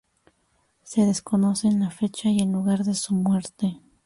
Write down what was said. Se desconocen la fecha y el lugar de su muerte.